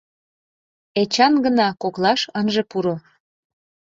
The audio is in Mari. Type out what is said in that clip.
Эчан гына коклаш ынже пуро.